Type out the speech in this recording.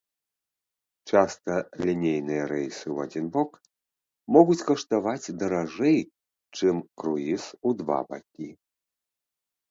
Часта лінейныя рэйсы ў адзін бок могуць каштаваць даражэй, чым круіз у два бакі.